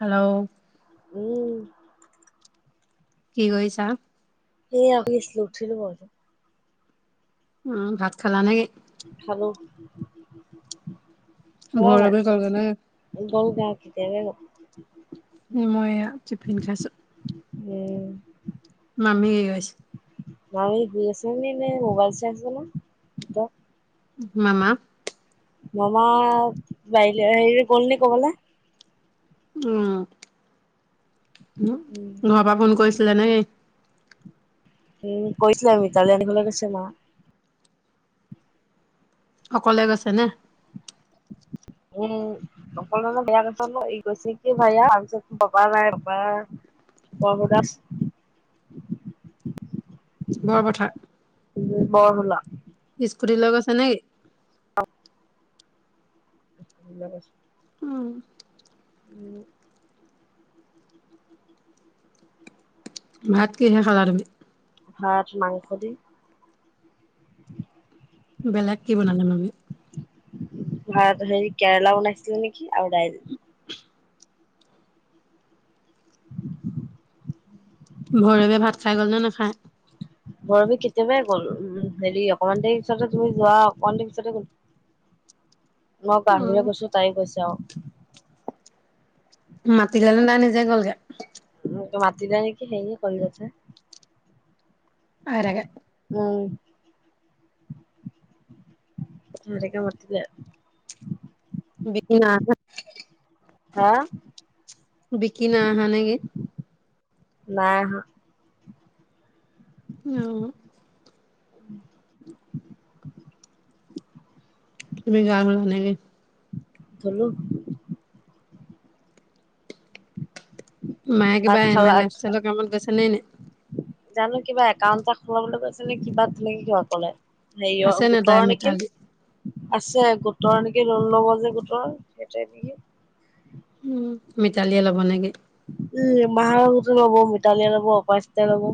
Hello? উম। কি কৰিছা? এইয়া শুই আছিলোঁ উঠিলো বাৰুতে। উম, ভাত খালা নেকি? খালোঁ। বৰকৈ [unintelligible] গ'লগা কেতিয়াবাই গ'ল। মই এইয়া টিফিন খাইছো। উম। মামি [unintelligible] আছে? মামি শুই আছে নে নে মোবাইল চাই আছে জানো? ভিতৰত মামা? মামা বাৰিলে হেৰি গ'ল নে ক'বালে। উম, হুম উম ঘৰৰ পৰা ফোন কৰিছিলে নেকি? উম, কৈছিলে মিতালী আনিবলৈ গৈছে মা। অকলে গৈছে নে? উম, অকলে যে [unintelligible] বাবু দাস বৰপথাৰ। উম, [unintelligible] স্কুটি লৈ গৈছে নেকি? লৈ গৈছে তো। উম। উম। ভাত কিহে খালা তুমি? ভাত মাংস দি। বেলেগ কি বনালে মামী? ভাত হেৰি কেৰেলা বনাইছিলে নেকি আৰু দাইল। [inaudible] ভৈৰৱে ভাত খাই গ'লনে নাখায়? ভৈৰৱী কেতিয়াবাই গ'ল উম, হেৰি অকমান দেৰি পিছতে তুমি যোৱা অকন দেৰি পিছতে গ'ল। [inaudible] মই পাৰ উম, হবলৈ গৈছোঁ, তাই গৈছে অ',। মাতিলে নে নাই নিজে গ'লগে? মোক মাতিলে নেকি হেৰী [unintelligible] [unintelligible] উম। দুইটাকে মাতিলে। বিকি নাই আহা, হা বিকি নাই আহা নেকি? নাই আহা। উওম' তুমি গা ধূলা নেকি? ধুলোঁ। মায়ে ভাত কিবা খালা এমলেহোষ্টেলৰ কামত গৈছে নে এনেই? জানো, কিবা একাউণ্ট এটা খোলাবলৈ গৈছে নে, কিবা তেনেকে কিবা ক'লে? আছে হেৰিয়ৰ, নে তাই গোটৰ নেকি। মিতালী আছে। গোটৰ নেকি লোণ ল'ব যে গোটৰ, সেইটোৱে নেকি? উম' মিতালীয়ে ল'ব নেকি? উম' মাহঁতৰ গোটে ল'ব, মিতালীয়ে ল'ব, অপৰাজিতাই ল'ব।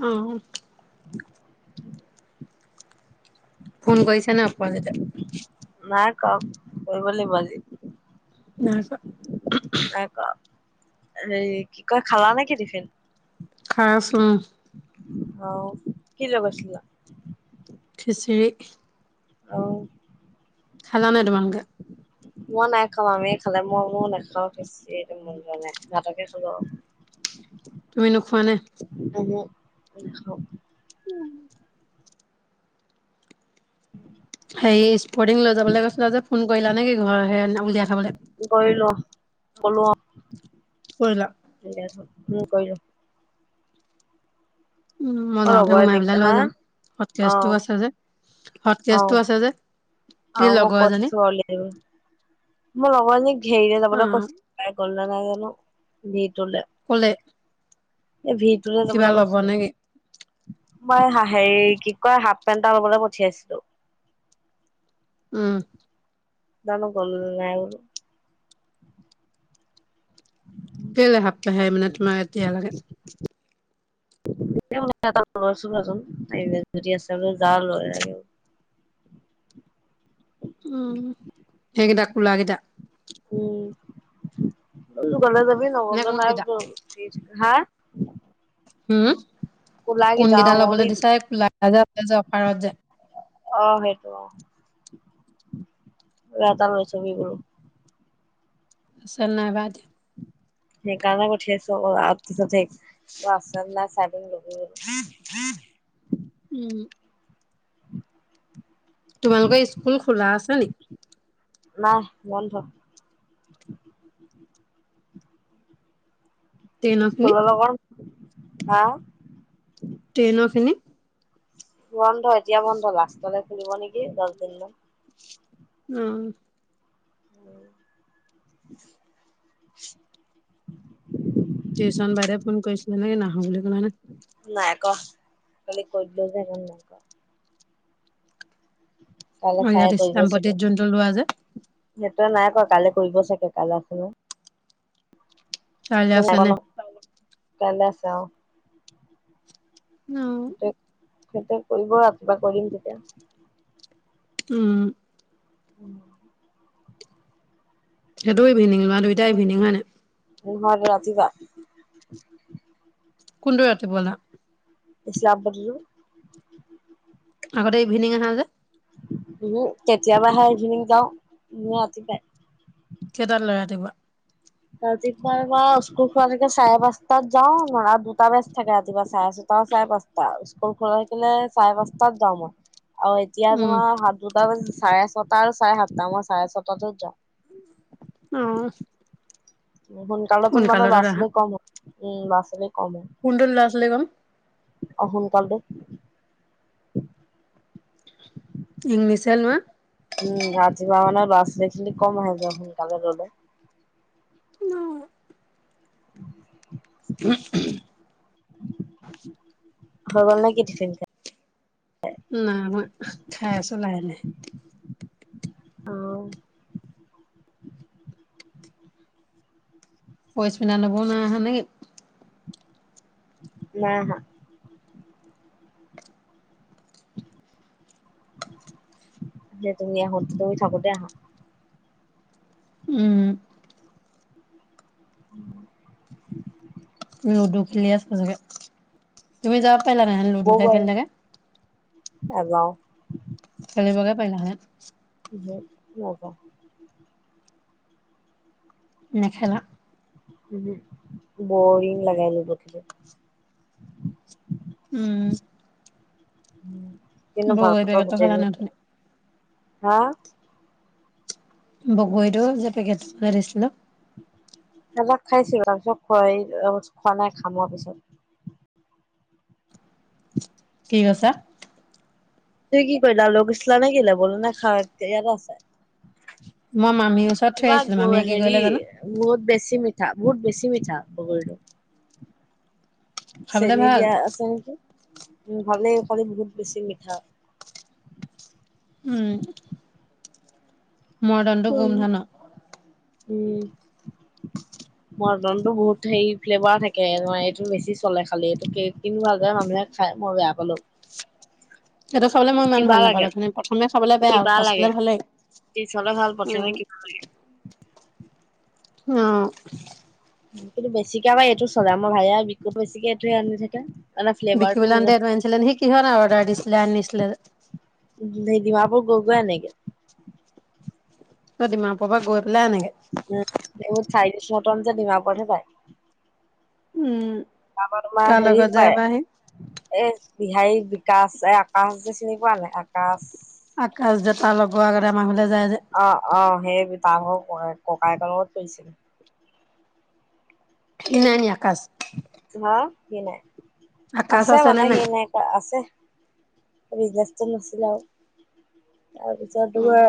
অঁ' ফোন কৰিছে নাই আপৰাজিতাই? নাই কৰা। কৰিব লাগিব আজি। নাই কৰা। নাই কৰা। হেই কি কয়, খালা নেকি টিফিন? খাই আছোঁ উম'। অও‌' কি লৈ গৈছিলা? খিচিৰি। অও' খালা নাই তোমালোকে? মই নাই খোৱা, মামীয়ে খালে। ময় বোলো নাখাওঁ খিছি মন যোৱা নাই। ভাতকে খালো আও। তুমি নোখোৱা নে? উমহু, নাখাওঁ। উওম' [inaudible] হেৰি স্পৰ্টিং লৈ যাবলে কৈছিলা যে, ফোন কৰিলা নেকি ঘৰ নাম উলিয়াই থ'বলে? কৰিলোঁ, ক'লো অঁ'। কৰিলা? উলিয়াই থয়, উম' কৰিলোঁ। উম' মই যাওঁতে লগৰ সোমাই এজনীক পেলাই লৈ হা যাম। অ হটকেজটোও আছে যে। হট কেচটো আছে যে। কি অঁ মই লগৰ এজনী কৈথৈছো ওলিয়াই দিবলে, মোৰ লগৰ এজনীক ঘেৰিলে অ যাবলৈ কৈছিলো। তাই গ'ল নে নাই জানো দিউতলে। ক'লে এই ভিটোলে কিবা যাবলে ল'ব কইছিলো। নেকি মই হা হেৰি কি কয় হাফ পেণ্ট এটা লবলে পঠিয়াইছিলো। উম' জানো গ'লো নাই বোলো। কেলে হাফ পে হেই মানে তোমাক এতিয়া লাগে? লৈছোঙে চোন যদি আছে বোলো যা লৈ আগে। উম' সেইগেইটা কোলা গেইটা। উম' তো গলে যাবি নে নগলে নাই কোনকেইটা বোলো হাঁ'। উম' কোলাগি কোনগেইটা যাওঁ লবলে মই দিছা বোলো এ প্লা যে আহে যে অফাৰত যে- অ' সেইটো অঁ, মোলে এটা লৈ থবি বোলো। চেন্নাইপা দিয়া। সেইকাৰনে পঠিয়াইছো আক আগ পিছতেই তয় আছে নে নাই চাই মেলি লবি। বোলো উম। তোমালোকৰ স্কুল খোলা আছে নি? নাই বন্ধ। ট্ৰেইনৰ খিনি স্কুল [unintelligible] হা? টেইনৰখিনি? বন্ধ, এতিয়া বন্ধ, লাষ্টলে খুলিব নেকি দহ দিন মান। উম। [inaudible] টিউছন বাইাদেও ফোন কৰিছিলে নে কি নাহ বুলি ক'লে নে। নাই ক খালি [unintelligible] কাইলৈ অ ইয়াত ছাৰে কৰিব ইছলামপতিত চাগে। যোনটো লোৱা যে সেইটোে নাই কৰা কাইলে কৰিব চাগে কাল আছিল নহয়। কাইলৈ আছে নে [unintelligible] কাইলৈ আছে অ'। অ [unintelligible] সিঁহতে কৰিব, ৰাতিপোৱা কৰিম তেতিয়া। উম। [inaudible] সেইটো ইভিনিং বা দুইটা ইভিনিং হয় না? ঘৰত ৰাতি বা। কোনটো ৰাতিপুৱা আনা? [unintelligible] আগতে ইভিনিং আহা যে। উ, কেতিয়াবাহে ইভিনিং যাওঁ, মই ৰাতিপুৱাই। কেইটা ল'ৰা ৰাতিপুৱা? ৰাতিপুৱা মই স্কুল খোৱাকে চাৰে পাঁচটাত যাওঁ, নৰা দুটা বেজ থাকে ৰাতিপুৱা চাৰে চাৰে পাঁচটা, স্কুল খোলা থাকিলে চাৰে পাঁচটাত যাওঁ মই আৰু এতিয়া উম তোমাৰ সাত দুটা বাজি চাৰে ছটা আৰু চাৰে সাতটা, মই চাৰে ছটাত যাওঁ। অ'। সোনকালেতো মানে সোনকালতো ল'ৰা আহা ছোৱালী কম হয় উম, ল'ৰা ছোৱালী কম হয়। কুণ্ডল ল'ৰা ছোৱালী গম অ' সোনকালটোত। ইংলিছহে লোৱা। উম, ৰাতিপুৱা মানে ল'ৰা ছোৱালী কম হয় [unintelligible] সোনকালে ল'লে। [unintelligible] [inaudible] [unintelligible] নাই মই, খাই আছোঁ লাহে লাহে। অ'। পইচ মিনা ল'বনা [unintelligible] হা নেকি? - নাই আহা। যে তুমি [unintelligible] তুমি থাকোঁতে আহা। উম। [inaudible] লুডু খেলি আছা চাগে। তুমি যাব পাৰলাহেন লুডুহে খেলি থাকে। নেযাওঁ। আনিবগে পাৰিলা হয়। বি নাযাওঁ। নেখেলা উম বৰিং লাগে [unintelligible] উম। কিন্ত ভাল বগৰী পাপাজ পেকেটটো খালা নাই অথনি? হা? বগৰীতো যে পেকেটতো যে দিছিলো। এবাৰ খাইছিলো তাৰপিছত খোৱা, খোৱা নাই খাম আৰু পিছত। কি কৈছা? ত কি কৰিলা লৈ গৈছিলা নে কিলো বল নে খা ইয়াতে আছে? মই মামীৰ ওচৰত থৈ কিবা আহিছিলো মামীয়ে কি হেৰি কৰিলে জানো। বহুত বেছি মিঠা বহুত বেছি মিঠা বগৰীটো। খাবলে চেনী ভাল। দিয়া আছে নেকি উম ভালেই কিন্তু বহুত বেছি মিঠা। উম। মডাৰণটো উম গোমধন। উম। [inaudible] মৰ্টনটো বহুত হেৰি ফ্লেভাৰ থাকে এইটো বেছি চলে খালি এইটো কে কিনো খাই মানুহে খাই মই বেয়া পালো। সেইটো খাবলৈ মই ইমান কিবা ভাল লাগে নাপালো, অথনি প্ৰথমে খাবলৈ বেয়া আৰু পাছলে ভালেই। পিছলে ভাল উম, প্ৰথমে ভাল নালাগে। অঁ। কিন্তু বেছিকে আক' এইটো চলে আমাৰ ভাই বিকিবলে বেছিকে এইটোৱে আনি থাকে। মানে ফ্লেভাৰটো বিকিবলৈ আনোতে বহুত এইটো আনিছিলে নেকি সি কিহত অৰ্ডাৰ দিছিলে আনিছিলে? উম সি ডিমাপুৰ গৈ গৈ আনেগে। ডিমাপুৰ পৰা গৈ পেলাই আনেগে। উম এইবোৰ চাইনিচ মৰ্টন যে ডিমাপুৰত হে পায়। উম। তাৰাপৰা তোমাৰ কাৰ লগত হেৰিত যায় পায় বা সি? এই বিহাৰী বিকাশ এই আকাশ যে চিনি পোৱা নাই আকাশ? আকাশ যে তাৰ লগৰ আগতে আমাৰ ঘৰলৈ যায় যে অ অ সেই তাৰ ভাগৰ ককায়েকৰ লগত খুলিছিল। সি নাই নি আকাশ? হা? সি নাই, আছে মানে সি নাই আছে বিজনেচটো নাছিলে আৰু তাৰপিছত উম, তোমাৰ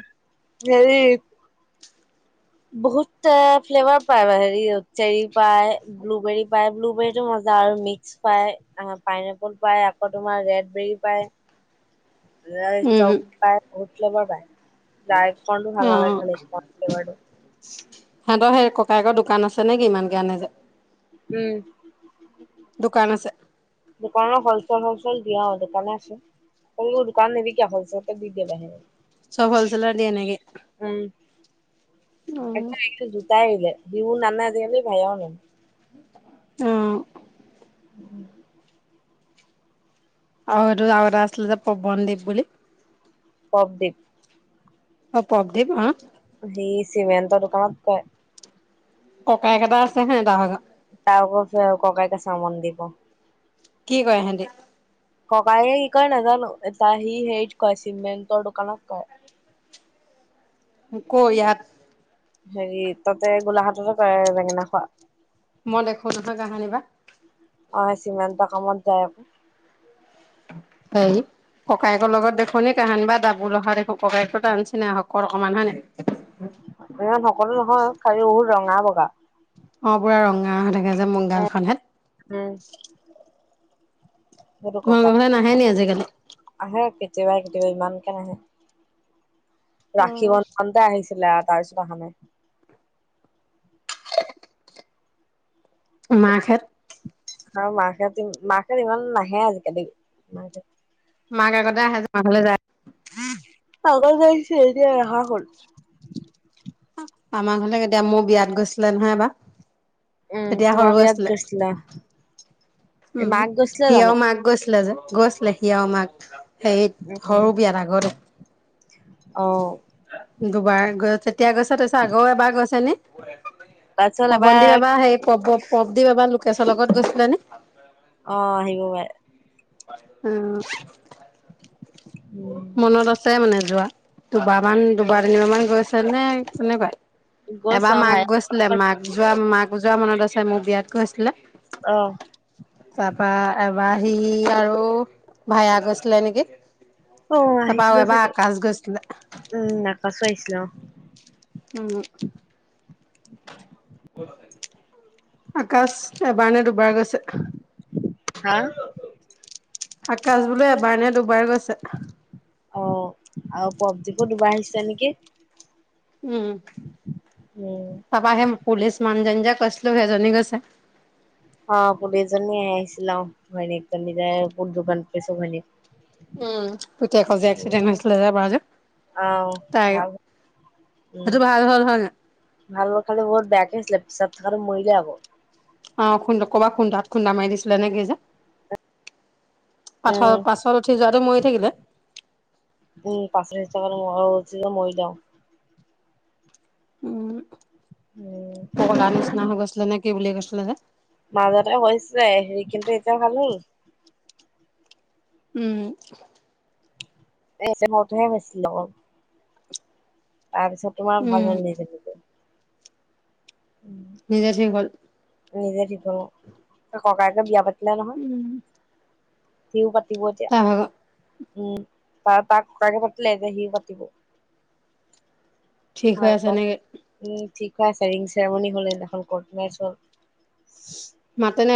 হেৰি বহুত এ ফ্লেভাৰ পায় হেৰি চেৰি পায় ব্লুবেৰী পায় ব্লুবেৰীতো মজা আৰু মিক্স পায় আহ পাইনএপল পায় আকৌ তোমাৰ ৰেডবেৰী পায়। [inaudible] পায় বহুত ফ্লেভাৰ পায়, ডাৰ্কখনো ভাল নালাগে অ', খালি কন ফ্লেভাৰটো। [inaudible] সিহঁতৰ সেই ককাইকৰ দোকান আছে নে কি ইমান কে আনে যে? উম। দোকান আছে, দোকানৰ হলচেল হলচেল দিয়ে আৰু দোকানে আছে। সৰু সৰু দোকান নিবিকে হলচেলতে দি দিয়ে বাহিৰত। চব হলচেলত দিয়ে নেকি? উমঁ, অ', আকৌ জোতা আনিলে বিহু নানে আজিকালি ভাইয়াও নানে। অঁ। [unintelligible] আৰু এইটো যে এটা আছিলে যে পৱনদ্বীপ বুলি। প্ৰবদ্বীপ। অ', -প্ৰবদ্বীপ আঁহ সেই চিমেণ্টৰ দোকানত কৰে। ককায়েক এটা আছে সিহঁতৰ ভাগ। তাৰ আকৌ আছে ককায়েক প্ৰবদ্বীপৰ। কি কৰে সিহঁতি? ককায়েকে কি কৰে নাজানো, এটা সি হেৰিত কৰে চিমেণ্টৰ দোকানত কৰে। মোকো ইয়াত হেৰি তা'তে গোলাঘাটতে কৰে বেঙেনা খোৱা। মই দেখো নহয় কাহানি বা। অঁ', -চিমেণ্টৰ কামত যায় আকৌ। হয়। ককায়েকৰ লগত দেখো নে কাহানি বা দাবোল অহা দেখো ককাইক টো তাৰ নিচিনাই হকত অকণমান হয় নাই। ইমান হকতো নহয় খালি বহুত ৰঙা, বগা। অঁ', -পুৰা ৰঙা হৈ থাকে যে মোৰ গালখন হেত। উমঁ। সেইটো তোমাৰ ককাই ঘৰলে নাহে আজিকালি? আহে কেতিয়াবাই-কেতিয়াবা ইমানকে নাহে, ৰাখী বন্ধনতে আহিছিলে আৰু- তাৰপিছত অহা নাই। মাক হেত? আৰু মাক হেতি, মাক হেতি ইমান নাহে আজিকালি। নাহে। মাক আগতে আহে আমাৰফালে যায়। আগতে আহিছিলে এতিয়া নহা হ'ল। মামাৰ ঘৰলে কেতিয়া মোৰ বিয়াত গৈছিলে নহয় এবাৰ। উম তেতিয়া তোমাৰ সৰু বিয়াত আছিলে। গৈছিলা উম-হুম, মাক গৈছিলে সি আৰু জানো? মাক গৈছিলে যে, গৈছিলে সি আৰু মাক। এই উম সৰু বিয়াত আগতে। অঁ। দুবাৰ গৈ, তেতিয়াই গৈছে তাৰপিছত আকৌ এবাৰ গৈছে নে? প্ৰৱনন্দী এবাৰ সেই প-প্ৰবদ্বীপ এবাৰ লোকেশ্বৰ লগত গৈছিলে নে? অঁ', -আহিব পাৰে। উমঁ, উম। মনত আছে। আছে মানে যোৱা, দুবাৰ মান, দুবাৰ তিনিবাৰ মান গৈছে নে কেনেকুৱা? গৈছ এবাৰ মাক ভাই গৈছিলে, মাক যোৱা, মাক যোৱা মনত আছে মোৰ বিয়াত গৈছিলে। অহ। তাৰপা এবাৰ সি আৰু ভাইয়া গৈছিলে নেকি। তাৰপা আৰু এবাৰ আকাশ গৈছিলে। উমঁ, আকাশো আহিছিলে অঁহ',। উমঁ। আকাশ এবাৰ নে দুবাৰ গৈছে। হা আকাশ বোলে এবাৰ নে দুবাৰ গৈছে। অহ, আৰু পবজিপো দুবাৰ আহিছে নেকি? উম। উম। তাৰপা সেই পুলিচ মানুহজনী যে কৈছিলো সেইজনী গৈছে। অ' পুলিচ জনী আহিছিল অ'। ঘৈনীয়েকজনী যে বুত দোকান পাইছো [unintelligible] উম পুতেকৰ যে এক্সিডেণ্ট হৈছিলে যে এবাৰ যে, অ তাই ভাল উম সেইটো ভাল হ'ল হয় নাই? ভাল হ'ল, খালী বহুত বেয়াকে হৈছিলে পিছত থকাটো মৰিলে আকৌ। অ' খুন্দা, ক'বাত খুন্দাত খুন্দা মাৰি দিছিলে নেকি যে পাছৰ, উম পাছত উঠি যোৱাটো মৰি থাকিলে। উম পাছত উঠি [unintelligible] মৰিলে আৰু। উম। উম। পগলাৰ নিচিনা হৈ গৈছিলে নে কি বুলি কৈছিলে যে। মাজতে হৈছিলে হেৰি কিন্তু এতিয়া ভাল হ'ল। উম। এ চেমতহে হৈছিলে অকল। তাৰ পিছত তোমাৰ ভাল উম হ'ল নিজে নিজে। উম। নিজে ঠিক হ'ল। নিজে ঠিক হ'ল। ককায়কে বিয়া পাতিলে নহয়। সিও পাতিব এতিয়া। তাৰ ভাগৰ উম, তাৰ তাৰ ককায়েকে পাতিলে এতিয়া সিও পাতিব। ঠিক হৈ আছে নেকি [unintelligible] উম ঠিক হৈ আছে, ৰিং চেৰেমনী হ'ল সিদিনাখন কৰ্ট মেৰেজ হ'ল। মাতেনে?